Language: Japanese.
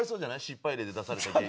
失敗例で出された芸人。